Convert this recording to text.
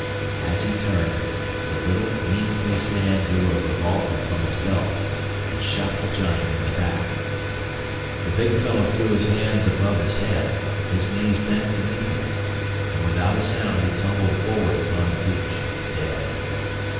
As he turned, the little, mean faced man drew a revolver from his belt and shot the giant in the back. The big fellow threw his hands above his head, his knees bent beneath him, and without a sound he tumbled forward upon the beach, dead.